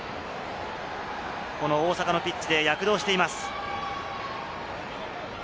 大阪のピッチで躍動しています。